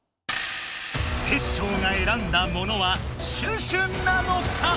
テッショウが選んだものはシュシュなのか？